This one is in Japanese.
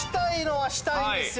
はしたいんですよね。